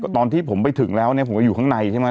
ตอนที่ผมไปถึงแล้วเนี่ยผมก็อยู่ข้างในใช่ไหม